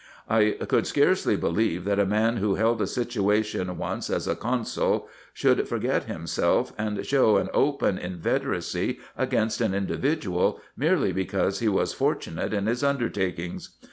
I could scarcely believe that a man, who held a situation once as a consul, should forget himself, and show an open inveteracy against an individual, merely because he was for tunate in his undertakings.